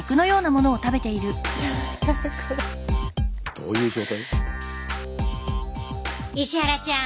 どういう状態？